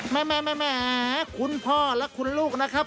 แม่คุณพ่อและคุณลูกนะครับ